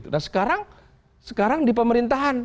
nah sekarang sekarang di pemerintahan